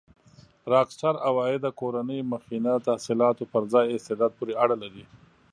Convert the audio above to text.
راک سټار عوایده کورنۍ مخینه تحصيلاتو پر ځای استعداد پورې اړه لري.